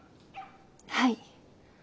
はい。